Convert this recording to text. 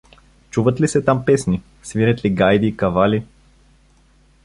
Чуват ли се там песни, свирят ли гайди, кавали?